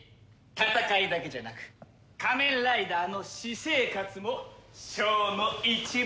戦いだけじゃなく仮面ライダーの私生活もショーの一部になるのよ。